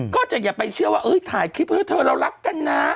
อย่าไปเชื่อว่าถ่ายคลิปให้เธอเรารักกันนะ